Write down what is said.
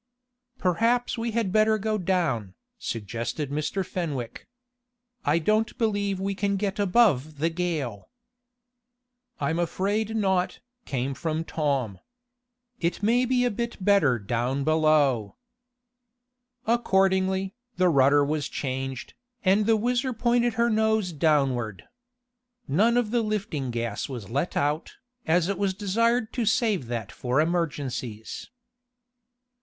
"Perhaps we had better go down," suggested Mr. Fenwick. "I don't believe we can get above the gale." "I'm afraid not," came from Tom. "It may be a bit better down below." Accordingly, the rudder was changed, and the WHIZZER pointed her nose downward. None of the lifting gas was let out, as it was desired to save that for emergencies.